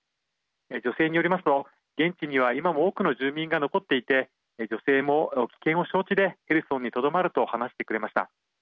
女性によりますと、現地には今も多くの住民が残っていて女性も危険を承知でヘルソンにとどまると話してくれました。